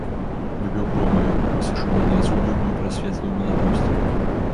Выпіў кроў маю, высушыў мяне, згубіў маю прасветлую маладосць!